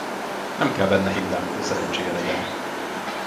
Nem kell benne hinnem, hogy szerencséje legyen.